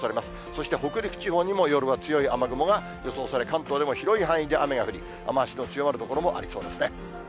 そして北陸地方にも夜は強い雨雲が予想され、関東でも広い範囲で雨が降り、雨足の強まる所もありそうですね。